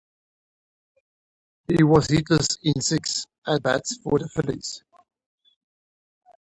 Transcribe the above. He was hitless in six at-bats for the Phillies.